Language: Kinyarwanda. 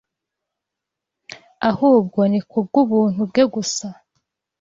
ahubwo ni kubw’ubuntu bwe gusa.